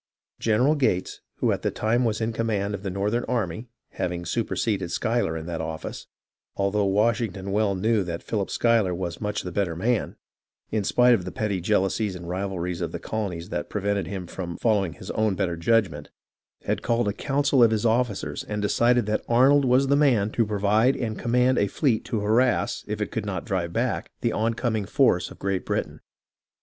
154 ARNOLD AND CARLETON 155 General Gates, who at the time was in command of the Northern army, having superseded Schuyler in that office, although Washington well knew that Philip Schuyler was much the better man, in spite of the petty jealousies and rivalries of the colonies that prevented him from following his own better judgment, had called a council of his officers and decided that Arnold was the man to provide and com mand a fleet to harass, if it could not drive back, the on coming force of Great Britain.